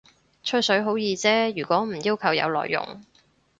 吹水好易啫，如果唔要求有內容